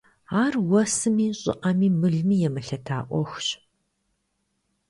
Ар уэсми, щӀыӀэми, мылми емылъыта Ӏуэхущ.